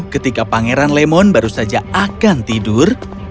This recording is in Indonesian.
ketika pangeran lemon baru saja akan tidur